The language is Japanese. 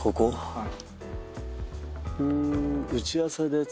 はい。